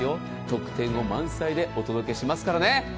特典も満載でお届けしますからね。